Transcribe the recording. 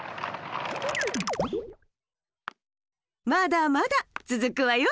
まだまだつづくわよ。